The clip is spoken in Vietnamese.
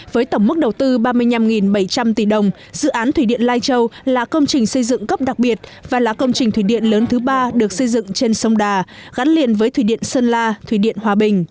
với tổng mức đầu tư ba mươi năm bảy trăm linh tỷ đồng dự án thủy điện lai châu là công trình xây dựng cấp đặc biệt và là công trình thủy điện lớn thứ ba được xây dựng trên sông đà gắn liền với thủy điện sơn la thủy điện hòa bình